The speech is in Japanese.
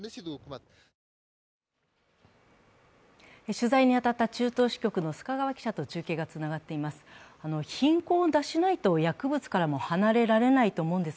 取材に当たった中東支局の須賀川記者と中継がつながっています。